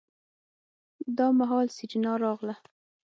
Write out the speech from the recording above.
دا مهال سېرېنا راغله.